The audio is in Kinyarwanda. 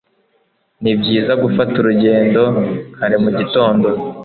Nibyiza gufata urugendo kare mugitondo.